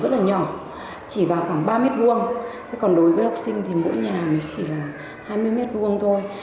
trường tiểu học này có hơn một học sinh nhưng cũng có các trường học